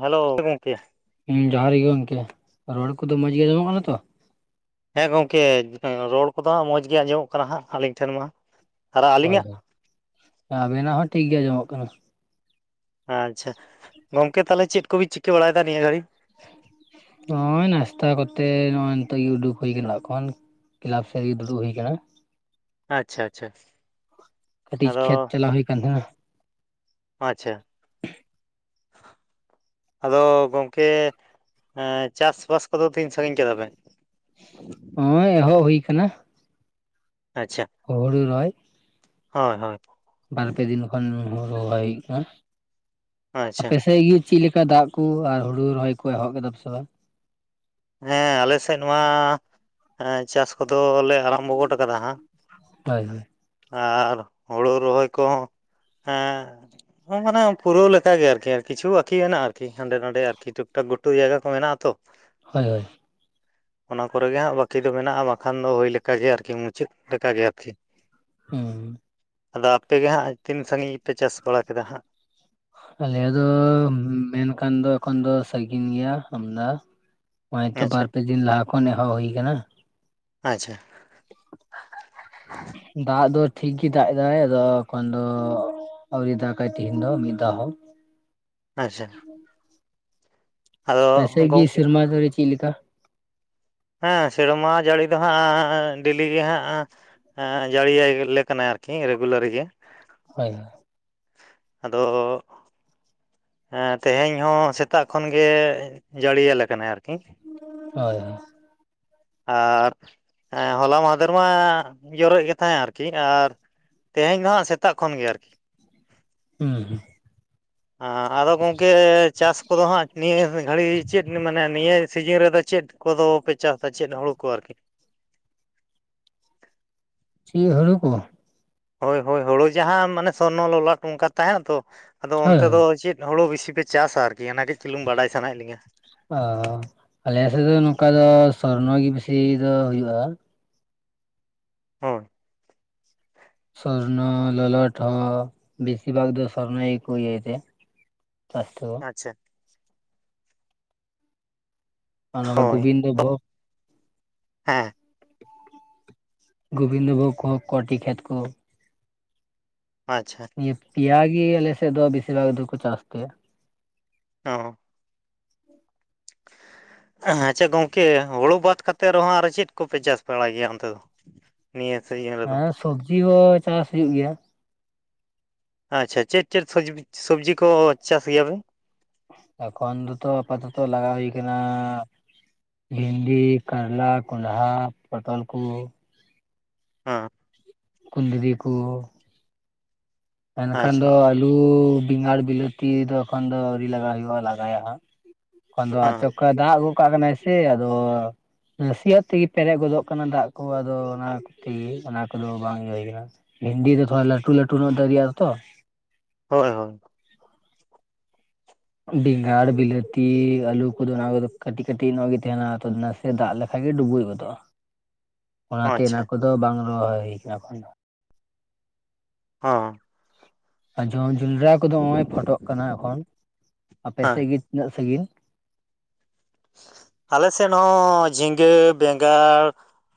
Hello ᱜᱚᱝᱠᱮ ᱦᱮᱸ ᱡᱚᱦᱟᱨ ᱜᱮ ᱜᱚᱝᱠᱮ ᱨᱚᱲ ᱠᱚᱫᱚ ᱢᱚᱸᱡᱽ ᱜᱮ ᱧᱟᱢᱚᱜ ᱠᱟᱱᱟ ᱛᱚ ᱦᱮᱸ ᱜᱚᱝᱠᱮ ᱨᱚᱲ ᱠᱚᱫᱚ ᱦᱟᱸᱜ ᱢᱚᱡᱽ ᱜᱮ ᱟᱸᱡᱚᱢᱚᱜ ᱠᱟᱱᱟ ᱦᱟᱸᱜ ᱟᱹᱞᱤᱧ ᱴᱷᱮᱱ ᱢᱟ, ᱟᱨ ᱦᱚᱭ ᱟᱹᱞᱤᱧᱟᱜ ᱟᱵᱤᱱᱟᱜ ᱦᱚᱸ ᱴᱷᱤᱠ ᱜᱮ ᱟᱸᱡᱚᱢᱚᱜ ᱠᱟᱱᱟ, ᱟᱪᱪᱷᱟ ᱜᱚᱝᱠᱮ ᱛᱟᱦᱚᱞᱮ ᱪᱮᱫ ᱠᱚᱵᱤᱱ ᱪᱤᱠᱟᱹ ᱵᱟᱲᱟᱭᱮᱫᱟ ᱱᱤᱭᱟᱹ ᱜᱷᱟᱹᱲᱤᱡ, ᱱᱚᱜᱼᱭ ᱱᱟᱥᱛᱟ ᱠᱚᱛᱮ ᱱᱚᱜᱼᱚᱭ ᱱᱤᱛᱚᱜ ᱤᱭᱩᱴᱩᱵᱽ ᱦᱩᱭ ᱟᱠᱟᱱᱟᱜ ᱠᱷᱚᱱ, ᱠᱮᱞᱟᱵᱽ ᱥᱮᱫ ᱨᱮᱜᱮ ᱫᱩᱲᱩᱵ ᱦᱩᱭ ᱟᱠᱟᱱᱟ, ᱟᱪᱪᱷᱟ ᱟᱪᱪᱷᱟ ᱠᱟᱹᱴᱤᱡ ᱟᱫᱚ ᱠᱷᱮᱛ ᱪᱟᱞᱟᱣ ᱦᱩᱭ ᱟᱠᱟᱱ ᱛᱟᱦᱮᱸᱱᱟ ᱟᱪᱪᱷᱟ [inaudible] [inaudible] ᱟᱫᱚ ᱜᱚᱝᱠᱮ ᱪᱟᱥ ᱵᱟᱥ ᱠᱚᱫᱚ ᱛᱤᱱ ᱥᱟᱺᱜᱤᱧ ᱠᱮᱫᱟ ᱵᱮᱱ, ᱱᱚᱜ-ᱚᱭ ᱮᱦᱚᱵ ᱦᱩᱭ ᱟᱠᱟᱱᱟ ᱟᱪᱪᱷᱟ ᱦᱩᱲᱩ ᱨᱚᱦᱚᱭ ᱦᱚᱭ ᱦᱚᱭ ᱵᱟᱨᱯᱮ ᱫᱤᱱ ᱠᱷᱚᱱ ᱦᱩᱲᱩ ᱨᱚᱦᱚᱭ ᱦᱩᱭᱩᱜ ᱠᱟᱱᱟ ᱟᱪᱪᱷᱟ ᱟᱯᱮᱥᱮᱫ ᱜᱤ, ᱪᱮᱫ ᱞᱮᱠᱟ ᱫᱟᱜ ᱠᱩ ᱟᱨ ᱦᱩᱲᱩ ᱨᱚᱦᱚᱭ ᱠᱚ ᱮᱦᱚᱵ ᱠᱮᱫᱟᱯᱮ ᱥᱮ ᱵᱟᱝ ᱦᱮᱸ ᱟᱞᱮ ᱥᱮᱫ ᱢᱟ ᱪᱟᱥ ᱠᱚᱫᱚᱞᱮ ᱟᱨᱟᱢᱵ ᱜᱚᱫ ᱠᱟᱫᱟ ᱦᱟᱸᱜ ᱛᱟᱭᱻ ᱟᱨ ᱦᱳᱲᱩ ᱨᱚᱦᱚᱭ ᱠᱚᱦᱚᱸ ᱢᱟᱱᱮ ᱯᱩᱨᱟᱹᱣ ᱞᱮᱠᱟ ᱜᱮ ᱟᱨᱠᱤ ᱟᱨ ᱠᱤᱪᱷᱩ ᱟᱨᱠᱤ ᱢᱮᱱᱟᱜᱼᱟ ᱟᱨᱠᱤ ᱦᱟᱸᱰᱮ ᱱᱟᱰᱮ ᱟᱨᱠᱤ ᱴᱩᱠᱼ ᱴᱟᱠ ᱜᱩᱴᱩ ᱡᱟᱭᱜᱟ ᱠᱚ ᱢᱮᱱᱟᱜᱼᱟ ᱛᱚ᱾ ᱦᱳᱭ ᱦᱳᱭ ᱚᱱᱟ ᱠᱚᱨᱮᱜ ᱜᱮ ᱦᱟᱸᱜ ᱵᱟᱹᱠᱤ ᱫᱚ ᱢᱮᱱᱟᱜᱼᱟ, ᱵᱟᱠᱷᱟᱱ ᱫᱚ ᱦᱩᱭ ᱞᱮᱠᱟ ᱜᱮ ᱟᱨᱠᱤ ᱢᱩᱪᱟᱹᱫ ᱞᱮᱠᱟᱜᱮ ᱟᱨᱠᱤ ᱦᱮᱸ ᱟᱫᱚ ᱟᱯᱮ ᱜᱮ ᱦᱟᱸᱜ ᱛᱤᱱ ᱥᱟᱺᱜᱤᱧ ᱯᱮ ᱪᱟᱥ ᱵᱟᱲᱟ ᱠᱮᱫᱟ ᱦᱟᱸᱜ? ᱟᱞᱮ ᱫᱚ ᱢᱮᱱᱠᱷᱟᱱ ᱫᱚ ᱮᱠᱷᱚᱱ ᱫᱚ ᱥᱟᱺᱟᱹᱜᱤᱧ ᱜᱮᱭᱟ, ᱟᱢᱫᱟ᱾ ᱱᱚᱜᱼᱚᱭ ᱛᱚ ᱟᱪᱪᱷᱟ ᱵᱟᱨ ᱯᱮ ᱫᱤᱱ ᱞᱟᱦᱟ ᱠᱷᱚᱱ ᱮᱦᱚᱵ ᱦᱩᱭ ᱟᱠᱟᱱᱟ᱾ ᱟᱪᱪᱷᱟ᱾ ᱫᱟᱜ ᱫᱚ ᱴᱷᱤᱠ ᱜᱮᱭ ᱫᱟᱜ ᱮᱟᱭ ᱟᱫᱚ ᱮᱠᱷᱚᱱ ᱫᱚ ᱟᱭᱨᱤ ᱫᱟᱠᱟᱭ ᱛᱤᱦᱤᱱ ᱫᱚ ᱢᱤᱫ ᱫᱟᱲᱮ ᱦᱚᱸ᱾ ᱟᱪᱪᱷᱟ ᱟᱫᱚ ᱯᱟᱥᱮ ᱜᱮ ᱜᱚᱢᱠᱮ ᱥᱮᱨᱢᱟ ᱡᱟᱦᱤ ᱪᱮᱫ ᱞᱮᱠᱟ᱾ ᱦᱮᱸ ᱥᱮᱨᱢᱟ ᱡᱟᱹᱲᱤ ᱫᱚ ᱦᱟᱸᱜ ᱰᱮᱞᱤ ᱜᱮ ᱦᱟᱸᱜ᱾ ᱡᱟᱹᱲᱤᱞᱮ ᱠᱟᱱᱟᱭ ᱟᱨᱠᱤ ᱨᱮᱜᱩᱞᱟᱨ ᱜᱮ᱾ ᱦᱳᱭ ᱦᱳᱭ᱾ ᱟᱫᱚ ᱛᱮᱦᱮᱧ ᱦᱚᱸ ᱥᱮᱛᱟᱜ ᱠᱷᱚᱱ ᱜᱮ ᱡᱟᱹᱲᱤᱭᱟᱹᱞᱮ ᱟᱠᱟᱱᱟ ᱟᱨᱠᱤ᱾ ᱦᱳᱭ᱾ ᱟᱨ ᱦᱚᱞᱟ ᱢᱟᱦᱫᱮᱨ ᱢᱟ ᱡᱚᱨᱮᱫ ᱜᱮ ᱛᱟᱦᱮᱸ ᱟᱨᱠᱤ ᱟᱨ ᱛᱮᱦᱮᱧ ᱫᱚ ᱦᱟᱸᱜ ᱥᱮᱛᱟᱜ ᱠᱷᱚᱱ ᱜᱮ ᱟᱨᱠᱤ᱾ ᱦᱩᱸ ᱦᱩᱸ ᱟᱸ ᱟᱫᱚ ᱜᱚᱢᱠᱮ ᱪᱟᱥ ᱠᱚᱫᱚ ᱦᱟᱸᱜ ᱱᱤᱭᱟᱹ ᱜᱷᱟᱹᱲᱤᱡ ᱪᱮᱫ ᱢᱟᱱᱮ ᱱᱤᱭᱟᱹ ᱥᱤᱡᱤᱱ ᱨᱮᱫᱚ ᱪᱮᱫ ᱠᱚᱫᱚ ᱯᱮ ᱪᱟᱥ ᱪᱮᱫ ᱦᱩᱲᱩ ᱠᱚ ᱟᱨᱠᱤ᱾ ᱪᱮᱫ ᱦᱳᱲᱳ ᱠᱚ? ᱦᱳᱭ ᱦᱳᱭ ᱦᱳᱲᱳ ᱡᱟᱦᱟ ᱢᱟᱱᱮ ᱥᱚᱨᱱᱚ ᱞᱚᱞᱟᱴ ᱚᱱᱠᱟ ᱛᱟᱦᱮᱱᱟ ᱛᱚ, ᱟᱫᱚ ᱦᱳᱭ ᱚᱱᱛᱮ ᱦᱳᱭ ᱫᱚ ᱪᱮᱫ ᱦᱳᱲᱳ ᱵᱤᱥᱤ ᱯᱮ ᱪᱟᱥ-ᱟ ᱟᱨᱠᱤ, ᱚᱱᱟ ᱠᱟᱹᱡ ᱪᱩᱞᱩᱝ ᱵᱟᱰᱟᱭ ᱥᱟᱱᱟ ᱭᱮᱫ ᱞᱤᱧᱟᱹ? ᱚ ᱟᱞᱮ ᱥᱮᱫ ᱫᱚ ᱱᱚᱝᱠᱟ ᱫᱚ ᱥᱚᱨᱱᱚ ᱜᱮ ᱵᱤᱥᱤ ᱫᱚ ᱦᱩᱭᱩᱜᱼᱟ᱾ ᱦᱳᱭ! ᱥᱚᱨᱱᱚ ᱞᱚᱞᱟᱴ ᱦᱚᱸ ᱵᱮᱥᱤᱨ ᱵᱷᱟᱜ ᱫᱚ ᱥᱚᱨᱱᱚ ᱜᱮ ᱠᱚ ᱤᱭᱟᱹᱭ [unintelligible] ᱟᱪᱪᱷᱟ ᱟᱨ ᱱᱚᱝᱠᱟ ᱦᱳᱭ ᱜᱳᱵᱤᱱᱫᱚ ᱵᱷᱳᱜᱽ ᱦᱮᱸ ᱜᱳᱵᱤᱱᱫᱚ ᱵᱷᱳᱜ [unintelligible] ᱠᱚᱴᱤ ᱠᱷᱮᱛ ᱠᱚ᱾ ᱟᱪᱪᱷᱟ᱾ ᱯᱮᱭᱟ ᱜᱮ, ᱟᱞᱮ ᱥᱮᱫ ᱫᱚ ᱵᱮᱥᱤᱨ ᱵᱷᱟᱜ ᱫᱚᱠᱚ ᱪᱟᱥ ᱠᱮ᱾ ᱚᱸ [inaudible] ᱟᱪᱪᱷᱟ ᱜᱚᱢᱠᱮ ᱦᱳᱲᱳ ᱵᱟᱫ ᱠᱟᱛᱮᱫ ᱨᱮ ᱦᱚᱸ ᱟᱨ ᱪᱮᱫ ᱠᱚ ᱯᱮ ᱪᱟᱥ ᱵᱟᱲᱟᱭ ᱜᱮᱭᱟ ᱚᱱᱛᱮ ᱫᱚ? ᱱᱤᱭᱟᱹ ᱥᱤᱡᱤᱱ ᱨᱮ ᱫᱚ? ᱦᱮᱸ ᱥᱚᱵᱽᱡᱤ ᱦᱚᱸ ᱪᱟᱥ ᱦᱩᱭᱩᱜ ᱜᱮᱭᱟ᱾ ᱟᱪᱪᱷᱟ ᱪᱮᱫ ᱪᱮᱫ ᱥᱚᱵᱽᱡᱤ ᱠᱚ ᱪᱟᱥ ᱜᱮᱭᱟ ᱯᱮ? ᱮᱠᱷᱚᱱ ᱫᱚᱛᱚ ᱟᱯᱟᱛᱚᱛᱚ ᱞᱟᱜᱟᱣ ᱦᱩᱭ ᱠᱟᱱᱟ᱾ ᱵᱷᱤᱱᱰᱤ, ᱠᱟᱨᱞᱟ, ᱠᱚᱸᱰᱦᱟ, ᱯᱚᱴᱚᱞ ᱠᱚ ᱦᱚᱸ ᱠᱩᱸᱫᱽᱨᱤ ᱠᱚ, ᱮᱱᱠᱷᱟᱱ ᱟᱪᱪᱷᱟ ᱫᱚ ᱟᱞᱩ, ᱵᱮᱸᱜᱟᱲ, ᱵᱤᱞᱟᱹᱛᱤ ᱫᱚ ᱮᱠᱷᱚᱱ ᱫᱚ ᱟᱹᱣᱨᱤ ᱞᱟᱜᱟ ᱦᱩᱭᱩᱜᱼᱟ᱾ ᱞᱟᱜᱟᱭᱟ ᱦᱟᱸᱜ ᱮᱠᱷᱚᱱ ᱫᱚ ᱦᱮᱸ ᱟᱪᱚᱠ ᱠᱟ ᱫᱟᱜ ᱜᱚᱜ ᱠᱟᱜ ᱠᱟᱱᱟᱭ ᱥᱮ, ᱟᱫᱚ ᱱᱟᱥᱤᱭᱟᱜ ᱛᱮ ᱜᱤ ᱯᱮᱨᱮᱜ ᱜᱚᱫᱚᱜ ᱠᱟᱱᱟ ᱫᱟᱜ ᱠᱚ ᱟᱫᱚ ᱚᱱᱟ ᱠᱩ ᱛᱮᱜᱤ ᱚᱱᱟ ᱠᱩᱫᱚ ᱵᱟᱝ ᱤᱭᱟᱹ ᱦᱩᱭ ᱠᱟᱱᱟ᱾ ᱵᱷᱤᱱᱰᱤ ᱠᱚᱫᱚ ᱦᱟᱸᱜ ᱞᱟᱸᱴᱷᱩᱼᱞᱟᱸᱴᱷᱩ ᱱᱚᱜ ᱫᱟᱹᱨᱤᱜᱼᱟ ᱛᱚ᱾ ᱦᱳᱭ ᱦᱳᱭ᱾ ᱵᱮᱸᱜᱟᱲ, ᱵᱤᱞᱟᱹᱛᱤ, ᱟᱹᱞᱩ ᱠᱚᱫᱚ ᱚᱱᱟ ᱠᱚᱫᱚ ᱠᱟᱹᱴᱤᱼᱠᱟᱹᱴᱤ ᱚᱱᱟ ᱜᱮ ᱛᱮᱦᱮᱱᱟ, ᱟᱫᱚ ᱱᱟᱥ ᱥᱮ ᱫᱟᱜ ᱞᱮᱠᱷᱟᱡ ᱜᱮ ᱰᱩᱵᱩᱡ ᱜᱚᱫᱚᱜᱼᱟ, ᱚᱱᱟᱛᱮ ᱚᱱᱟ ᱟᱪᱪᱷᱟ ᱠᱚᱫᱚ ᱵᱟᱝ ᱨᱚᱦᱚᱭ ᱦᱩᱭ ᱠᱟᱱᱟ ᱮᱠᱷᱚᱱ ᱫᱚ᱾ ᱦᱚᱸ᱾ ᱟ ᱡᱚᱱᱼᱡᱚᱸᱱᱰᱨᱟ ᱠᱚᱫᱚ ᱱᱚᱜᱼᱚᱭ ᱯᱷᱳᱴᱚᱜ ᱠᱟᱱᱟ ᱮᱠᱷᱚᱱ, ᱟᱯᱮ ᱦᱮᱸ ᱥᱮ ᱜᱮ ᱛᱤᱱᱟᱹᱜ ᱥᱟᱹᱜᱤᱧ? ᱟᱞᱮ ᱥᱮᱜ ᱱᱚᱜᱼᱚᱻ ᱡᱷᱤᱸᱜᱟ, ᱵᱮᱸᱜᱟᱲ᱾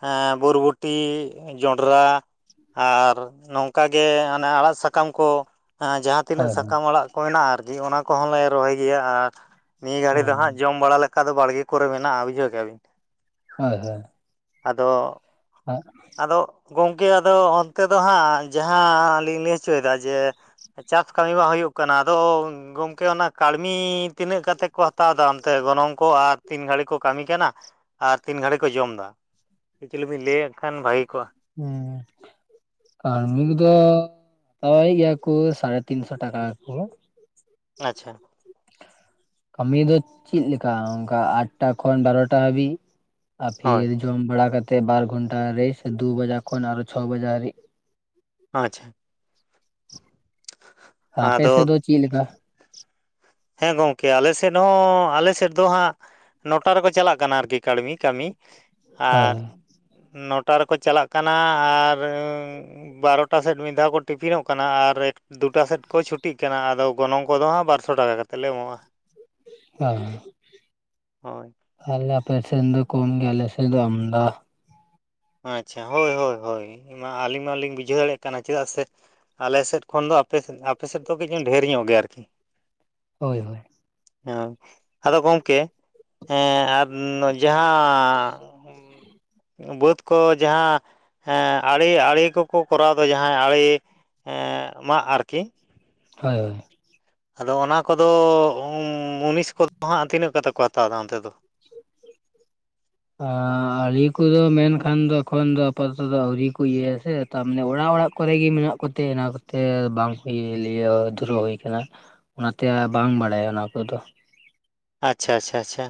ᱦᱮᱸ ᱵᱳᱨᱵᱚᱴᱤ ᱡᱚᱸᱱᱰᱨᱟ᱾ ᱟᱨ ᱱᱚᱝᱠᱟ ᱜᱮ ᱦᱟᱱᱮ ᱟᱲᱟᱜ ᱥᱟᱠᱟᱢ ᱠᱚ ᱮᱸ ᱡᱟᱸ ᱦᱳᱭ ᱛᱤᱱᱟᱹᱜ ᱦᱳᱭ ᱥᱟᱠᱟᱢ ᱟᱲᱟᱜ ᱠᱚ ᱦᱮᱱᱟᱜᱼᱟ ᱟᱨᱠᱤ ᱚᱱᱟ ᱠᱚᱦᱚᱸ ᱞᱮ ᱨᱚᱦᱚᱭ ᱜᱮᱭᱟ ᱟᱨ ᱱᱤᱭᱟᱹ ᱜᱷᱟᱹᱲᱤ ᱫᱚ ᱦᱟᱸᱜ ᱡᱚᱢ ᱵᱟᱲᱟ ᱞᱮ ᱠᱟ ᱫᱚ ᱵᱟᱲᱜᱮ ᱠᱚᱨᱮ ᱢᱮᱱᱟᱜᱼᱟ ᱵᱩᱡᱷᱟᱹᱣ ᱠᱮᱼᱟ ᱵᱤᱱ᱾ ᱦᱳᱭ ᱦᱳᱭ᱾ ᱟᱫᱚ᱾ ᱦᱚᱸᱜ᱾ ᱟᱫᱚ ᱜᱚᱝᱠᱮ ᱟᱫᱚ ᱚᱱᱛᱮ ᱫᱚ ᱦᱟᱸᱜ ᱡᱟᱦᱟᱸ ᱞᱤᱧ ᱞᱟᱹᱭ ᱪᱚᱭᱫᱟ ᱡᱮ ᱪᱟᱥ ᱠᱟᱹᱢᱤ ᱢᱟ ᱦᱩᱭᱩᱜ ᱠᱟᱱᱟ ᱟᱫᱚ ᱜᱚᱝᱠᱮ ᱚᱱᱟ ᱠᱟᱹᱲᱢᱤ ᱛᱤᱱᱟᱹᱜ ᱠᱟᱛᱮ ᱠᱚ ᱦᱟᱛᱟᱣ ᱫᱟ ᱚᱱᱛᱮ ᱜᱚᱱᱚᱝ ᱠᱚ? ᱟᱨ ᱛᱤᱱ ᱜᱷᱟᱹᱲᱤ ᱠᱚ ᱠᱟᱹᱢᱤ ᱠᱟᱱᱟ? ᱟᱨ ᱛᱤᱱ ᱜᱷᱟᱹᱲᱤ ᱠᱚ ᱡᱚᱢ ᱫᱟ? ᱮᱠᱪᱚᱭᱞᱤ ᱵᱮᱱ ᱞᱟᱹᱭᱟ? ᱠᱷᱟᱱ ᱵᱷᱟᱹᱜᱮ ᱠᱚᱜᱼᱟ᱾ ᱦᱩᱸ᱾ ᱠᱟᱹᱲᱢᱤ ᱠᱩᱫᱚ [unintelligible] ᱜᱮᱭᱟ ᱠᱩ ᱥᱟᱲᱮ ᱛᱤᱱᱥᱚ ᱴᱟᱠᱟ ᱠᱚ ᱟᱪᱷᱟ᱾ ᱠᱟᱹᱢᱤ ᱫᱚ ᱪᱤᱜ ᱞᱮᱠᱟ ᱚᱱᱠᱟ ᱟᱴᱴᱟ ᱠᱷᱚᱱ ᱵᱟᱨᱚᱴᱟ ᱦᱟᱹᱵᱤᱜ, ᱦᱳᱭ ᱟᱼᱯᱷᱤᱨ ᱡᱚᱢ ᱵᱟᱲᱟ ᱠᱟᱛᱮ ᱵᱟᱨ ᱜᱷᱚᱱᱴᱟ ᱨᱮᱥ ᱫᱩ ᱵᱟᱡᱟᱜ ᱠᱷᱚᱱ ᱟᱨᱚ ᱪᱷᱚ ᱵᱟᱡᱟᱜ ᱦᱟᱹᱨᱤᱜ᱾ ᱚ ᱟᱪᱪᱷᱟ᱾ ᱟᱯᱮ ᱟᱫᱚ ᱥᱮ ᱫᱚ ᱪᱤᱜ ᱞᱮᱠᱟ? ᱦᱮᱸ ᱜᱚᱝᱠᱮ ᱟᱞᱮ ᱥᱮᱫ ᱦᱚᱸ ᱟᱞᱮ ᱥᱮᱫ ᱫᱚ ᱦᱟᱸᱜ ᱱᱚᱴᱟ ᱨᱮᱠᱚ ᱪᱟᱞᱟᱜ ᱠᱟᱱᱟ ᱟᱨᱠᱤ ᱠᱟᱬᱢᱤ ᱠᱟᱹᱢᱤ᱾ ᱦᱳᱭ ᱟᱨ ᱱᱚᱴᱟ ᱨᱮᱠᱚ ᱪᱟᱞᱟᱜ ᱠᱟᱱᱟ, ᱟᱨ ᱟᱸᱻ ᱵᱟᱨᱚᱴᱟ ᱥᱮᱫ ᱢᱤᱫ ᱫᱷᱟᱣ ᱠᱚ ᱴᱤᱯᱷᱤᱱᱚᱜ ᱠᱟᱱᱟ, ᱟᱨ ᱮᱠ ᱫᱩᱴᱟ ᱥᱮᱛ ᱠᱚ ᱪᱷᱩᱴᱤᱜ ᱠᱟᱱᱟ ᱟᱫᱚ ᱜᱚᱱᱚᱝ ᱠᱚᱫᱚ ᱦᱟᱸᱜ ᱵᱟᱨ ᱥᱚ ᱴᱟᱠᱟ ᱠᱟᱛᱮᱫ ᱞᱮ ᱮᱢᱚᱜᱼᱟ᱾ ᱦᱮᱸ᱾ ᱦᱳᱭ ᱟᱞᱮ ᱟᱯᱮ ᱥᱮᱱ ᱫᱚ ᱠᱚᱢ ᱜᱮᱭᱟ ᱟᱞᱮ ᱥᱮ ᱫᱚ ᱟᱢᱫᱟ᱾ ᱟᱸᱪᱪᱷᱟ ᱦᱳᱭ ᱦᱳᱭ ᱦᱳᱭ ᱤᱧᱢᱟ ᱟᱹᱞᱤᱧ ᱢᱟᱞᱤᱧ ᱵᱩᱡᱷᱟᱹᱣ ᱫᱟᱲᱮᱭᱟᱜ ᱠᱟᱱᱟ, ᱪᱮᱫᱟᱜ ᱥᱮ ᱟᱞᱮ ᱥᱮᱫ ᱠᱷᱚᱱ ᱫᱚ ᱟᱯᱮ ᱥᱮᱫ ᱟᱯᱮ ᱥᱮᱫ ᱫᱚ ᱠᱟᱹᱡ ᱰᱷᱮᱨ ᱧᱚᱜ ᱜᱮ ᱟᱨᱠᱤ᱾ ᱦᱳᱭ ᱦᱳᱭ᱾ ᱦᱮᱸ, ᱟᱫᱚ ᱜᱚᱝᱠᱮ ᱮᱸ ᱟᱨ ᱡᱟᱦᱟᱸ ᱵᱟᱹᱛ ᱠᱚ ᱡᱟᱦᱟᱸ ᱮᱸ ᱟᱲᱮ ᱟᱲᱮ ᱠᱚᱠᱚ ᱠᱚᱨᱟᱣ ᱫᱚ, ᱡᱟᱦᱟᱸᱭ ᱟᱲᱮ ᱮᱸ ᱢᱟᱜᱽ ᱟᱨᱠᱤ᱾ ᱦᱳᱭ ᱦᱳᱭ᱾ ᱟᱫᱚ ᱚᱱᱟ ᱠᱚᱫᱚ ᱩᱸ ᱢᱩᱱᱤᱥ ᱠᱚᱫᱚ ᱦᱟᱸᱜ ᱛᱤᱱᱟᱹᱜ ᱠᱟᱛᱮ ᱠᱚ ᱦᱟᱛᱟᱣ ᱫᱟ ᱚᱱᱛᱮ ᱫᱚ? ᱟᱸ ᱟᱸᱨᱤ ᱠᱩᱫᱚ ᱢᱮᱱᱠᱷᱟᱱ ᱫᱚ ᱮᱠᱷᱚᱱ ᱫᱚ ᱟᱯᱟᱛᱚᱛᱚ ᱫᱚ ᱟᱹᱣᱨᱤ ᱠᱩ ᱤᱭᱟᱹᱭᱟ ᱥᱮ᱾ ᱛᱟ ᱢᱟᱱᱮ ᱚᱲᱟᱜ ᱚᱲᱟᱜ ᱠᱚᱨᱮ ᱜᱮ ᱢᱮᱱᱟᱜ ᱠᱚᱛᱮ ᱚᱱᱟ ᱠᱚᱛᱮ ᱵᱟᱝ ᱠᱚ ᱤᱭᱟᱹᱭ ᱞᱮᱭᱟ ᱫᱷᱩᱨᱟᱹᱣ ᱦᱩᱭ ᱠᱟᱱᱟ᱾ ᱚᱱᱟ ᱛᱮ ᱟ-ᱵᱟᱝ ᱵᱟᱲᱟᱭᱟ ᱚᱱᱟ ᱠᱚᱫᱚ᱾ ᱟᱪᱪᱷᱟ ᱟᱪᱷᱟ ᱟᱪᱷᱟ᱾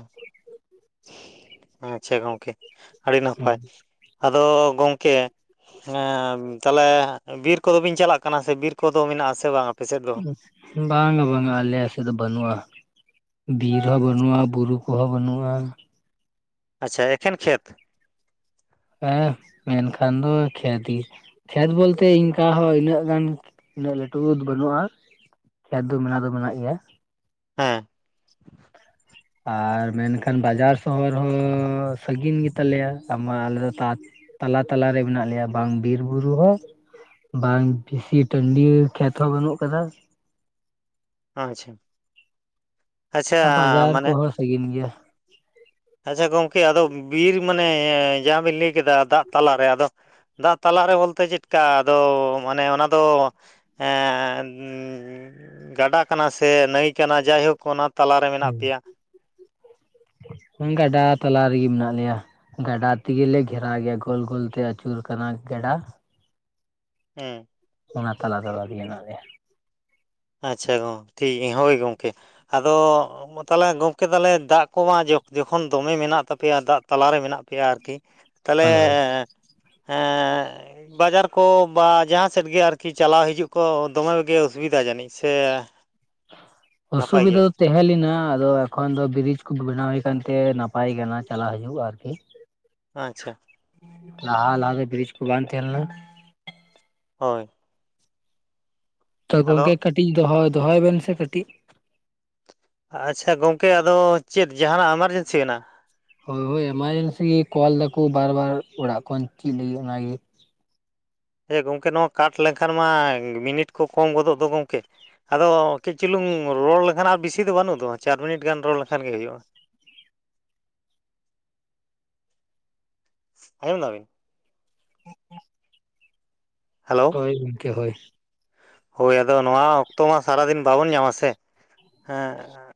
ᱟᱪᱪᱷᱟ, ᱜᱚᱝᱠᱮ᱾ ᱟᱹᱰᱤ ᱱᱟᱯᱟᱭ, ᱟᱫᱚ ᱜᱚᱝᱠᱮ ᱦᱮᱸ ᱛᱟᱦᱚᱞᱮ ᱵᱤᱨ ᱠᱚᱫᱚ ᱵᱤᱱ ᱪᱟᱞᱟᱜ ᱠᱟᱱᱟ ᱥᱮ ᱵᱤᱨ ᱠᱚᱫᱚ ᱢᱮᱱᱟᱜᱼᱟ ᱥᱮ ᱵᱟᱝ ᱟᱯᱮᱥᱮᱫ ᱫᱚ? ᱵᱟᱝᱼᱟ ᱵᱟᱝᱟ ᱟᱞᱮᱭᱟ ᱥᱮ ᱫᱚ ᱵᱟᱹᱱᱩᱜᱼᱟ᱾ ᱫᱷᱤᱨ ᱦᱚᱸ ᱵᱟᱹᱱᱩᱜᱼᱟ, ᱵᱩᱨᱩ ᱠᱚᱦᱚᱸ ᱵᱟᱹᱱᱩᱜᱼᱟ᱾ ᱟᱪᱪᱷᱟ ᱮᱠᱷᱮᱱ ᱠᱷᱮᱛ ᱦᱮᱸ ᱢᱮᱱᱠᱷᱟᱱ ᱫᱚ ᱠᱷᱮᱛ ᱜᱤ ᱠᱷᱮᱛ ᱵᱚᱞᱛᱮ ᱤᱱᱠ ᱦᱚᱸ ᱤᱱᱟᱹᱜ ᱜᱟᱱ ᱩᱱᱟᱹᱜ ᱞᱟᱹᱴᱩ ᱵᱟ. ᱫᱽ ᱵᱟᱹᱱᱩᱜᱼᱟ ᱠᱷᱮᱛ ᱫᱚ ᱢᱮᱱᱟᱜ ᱫᱚ ᱢᱮᱱᱟᱜ ᱜᱮᱭᱟ ᱦᱮᱸ ᱟᱨ ᱢᱮᱱᱠᱷᱟᱱ ᱵᱟᱡᱟᱨ ᱥᱚᱦᱚᱨ ᱦᱚᱸᱻ ᱥᱟᱺᱜᱤᱱ ᱜᱮ ᱛᱟᱞᱮᱭᱟ ᱛᱟ ᱢᱟ ᱟᱞᱮ ᱫᱚ ᱛᱟᱠ... ᱛᱟᱞᱟ ᱛᱟᱞᱟ ᱨᱮ ᱢᱮᱱᱟᱜ ᱞᱮᱭᱟ ᱵᱟᱝ ᱵᱤᱨ ᱵᱩᱨᱩ ᱦᱚᱸ ᱵᱟᱝ ᱵᱤᱥᱤ ᱴᱟᱺᱰᱤ ᱠᱷᱮᱛ ᱦᱚᱸ ᱵᱟᱹᱱᱩᱜ ᱟᱠᱟᱫᱟ ᱟᱪᱪᱷᱟ ᱟᱪᱪᱷᱟ ᱵᱟᱡᱟᱨ ᱢᱟᱱᱮ ᱠᱚᱦᱚᱸ ᱥᱟᱜᱤᱱ ᱜᱮᱭᱟ ᱟᱪᱪᱷᱟ ᱜᱚᱢᱠᱮ ᱟᱫᱚ ᱵᱤᱨ ᱢᱟᱱᱮ ᱡᱟᱦᱟᱸ ᱵᱤᱱ ᱞᱟᱹᱭ ᱠᱮᱫᱟ ᱫᱟᱜ ᱛᱟᱞᱟᱨᱮ ᱟᱫᱚ ᱫᱟᱜ ᱛᱟᱞᱟ ᱨᱮ ᱵᱚᱞᱛᱮ ᱪᱮᱫᱠᱟ ᱟᱫᱚ ᱢᱟᱱᱮ ᱚᱱᱟᱫᱚ ᱮᱸᱻ...... ᱜᱟᱰᱟ ᱠᱟᱱᱟ ᱥᱮ ᱱᱟᱹᱭ ᱠᱟᱱᱟ ᱡᱟᱭᱦᱳᱠ ᱚᱱᱟ ᱛᱟᱞᱟᱨᱮ ᱢᱮᱱᱟᱜ ᱯᱮᱭᱟ ᱜᱟᱰᱟ ᱛᱟᱞᱟ ᱨᱮᱜᱮ ᱢᱮᱱᱟᱜ ᱞᱮᱭᱟ ᱜᱟᱰᱟ ᱛᱮᱜᱮᱞᱮ ᱜᱷᱮᱨᱟᱣ ᱜᱮᱭᱟ ᱜᱚᱞ ᱜᱚᱞ ᱛᱮ ᱟᱹᱪᱩᱨ ᱟᱠᱟᱱᱟ ᱜᱟᱰᱟ ᱦᱮᱸ ᱚᱱᱟ ᱛᱟᱞᱟ ᱛᱟᱞᱟ ᱜᱮ ᱢᱮᱱᱟᱜ ᱞᱮᱭᱟ ᱟᱪᱪᱷᱟ ᱜᱚᱝᱠᱮ ᱴᱷᱤᱠ ᱜᱮᱭᱟ ᱦᱳᱭ ᱜᱚᱢᱠᱮ ᱟᱫᱚ ᱚ ᱢᱟ ᱛᱟᱦᱚᱞᱮ ᱜᱚᱢᱠᱮ ᱛᱟᱦᱚᱞᱮ ᱫᱟᱜ ᱠᱚᱢᱟ ᱡᱚᱠᱷ... ᱡᱚᱠᱷᱚᱱ ᱫᱚᱢᱮ ᱢᱮᱱᱟᱜ ᱛᱟᱯᱮᱭᱟ ᱫᱟᱜ ᱛᱟᱞᱟᱨᱮ ᱢᱮᱱᱟᱜ ᱯᱮᱭᱟ ᱟᱨᱠᱤ ᱛᱟᱦᱚᱞᱮ ᱦᱳᱭ ᱦᱳᱭ ᱮᱸᱻ ᱵᱟᱡᱟᱨ ᱠᱚ ᱵᱟ ᱡᱟᱦᱟᱸ ᱥᱮᱫ ᱜᱮ ᱟᱨᱠᱤ ᱪᱟᱞᱟᱣ ᱦᱤᱡᱩᱜ ᱠᱚ ᱫᱚᱢᱮᱜ ᱜᱮ ᱚᱥᱩᱵᱤᱫᱷᱟ ᱡᱟᱹᱱᱤᱡ ᱥᱮ ᱱᱟᱯᱟᱭ ᱜᱮᱭᱟ ᱚᱥᱩᱵᱤᱫᱷᱟ... ᱛᱮᱦᱮᱸ ᱞᱮᱱᱟ ᱟᱫᱚ ᱮᱠᱷᱚᱱ ᱫᱚ ᱵᱨᱤᱡᱽ ᱠᱚ ᱵᱮᱱᱟᱣ ᱦᱩᱭ ᱟᱠᱟᱱ ᱛᱮ ᱱᱟᱯᱟᱭ ᱟᱠᱟᱱᱟ ᱪᱟᱞᱟᱣ ᱦᱤᱡᱩᱜ ᱟᱨᱠᱤ ᱟᱪᱪᱷᱟ ᱞᱟᱦᱟ ᱞᱟᱦᱟ ᱫᱚ ᱵᱨᱤᱡ ᱠᱚ ᱵᱟᱝ ᱛᱟᱦᱮᱸ ᱞᱮᱱᱟ ᱦᱚᱭ ᱛᱚ ᱜᱚᱢᱠᱮ ᱟᱫᱚ ᱠᱟᱹᱴᱤᱡ ᱫᱚᱦᱚ... ᱫᱚᱦᱚᱭ ᱵᱮᱱ ᱥᱮ ᱠᱟᱹᱴᱤᱡ ᱟᱪᱪᱷᱟ ᱜᱚᱢᱠᱮ ᱟᱫᱚ ᱪᱮᱫ ᱡᱟᱦᱟᱱᱟᱜ ᱮᱢᱟᱨᱡᱮᱱᱥᱤ ᱢᱮᱱᱟᱜ-ᱟ? ᱦᱳᱭ ᱦᱳᱭ ᱮᱢᱟᱨᱡᱮᱱᱥᱤ ᱜᱮ ᱠᱚᱞ ᱮᱫᱟᱠᱚ ᱵᱟᱨ ᱵᱟᱨ ᱚᱲᱟᱜ ᱠᱷᱚᱱ ᱪᱮᱫ ᱞᱟᱹᱜᱤᱫ ᱚᱱᱟ ᱜᱮ ᱦᱮᱸ ᱜᱚᱢᱠᱮ ᱱᱚᱶᱟ ᱠᱟᱴ ᱞᱮᱠᱷᱟᱱ ᱢᱟ ᱢᱤᱱᱤᱴ ᱠᱚ ᱠᱚᱢ ᱜᱚᱫᱚᱜ ᱫᱚ ᱜᱚᱢᱠᱮ ᱟᱫᱚ ᱠᱟᱹᱡ ᱪᱩᱞᱩᱝ ᱨᱚᱲ ᱞᱮᱠᱷᱟᱱ ᱟᱨ ᱵᱤᱥᱤ ᱫᱚ ᱵᱟᱹᱱᱩᱜ ᱫᱚ ᱪᱟᱨ ᱢᱤᱱᱤᱴ ᱜᱟᱱ ᱨᱚᱲ ᱞᱮᱠᱷᱟᱱ ᱜᱮ ᱦᱩᱭᱩᱜ-ᱟ ᱟᱸᱡᱚᱢ ᱮᱫᱟ ᱵᱤᱱ ᱦᱮᱞᱳ ᱦᱳᱭ ᱜᱚᱢᱠᱮ ᱦᱳᱭ ᱦᱳᱭ ᱟᱫᱚ ᱱᱚᱶᱟ ᱚᱠᱛᱚ ᱢᱟ ᱥᱟᱨᱟ ᱫᱤᱱ ᱵᱟᱵᱚᱱ ᱧᱟᱢᱟ ᱥᱮ ᱦᱮᱸ